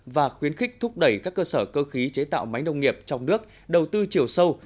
và khuyến khích thúc đẩy các cơ sở cơ khí chế tạo máy nông nghiệp trong nước đầu tư chiều sâu